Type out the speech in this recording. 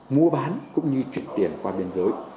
mua bán cũng như chuyển tiền qua biên giới